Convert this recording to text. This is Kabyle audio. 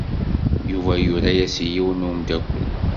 Yuba yura-as i yiwen n umeddakel.